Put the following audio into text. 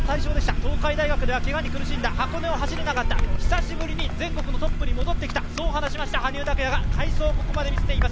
東海大学ではけがで苦しんだ、箱根を走れなかった、久しぶりに全国のトップに戻ってきた、そう話した羽生拓矢が快走をここまで見せています。